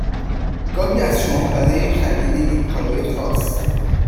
گاهی ازشما برای خرید یک کالای خاص